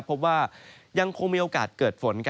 พบว่ายังคงมีโอกาสเกิดฝน